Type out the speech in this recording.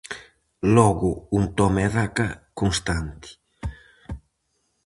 Logo un toma e daca constante.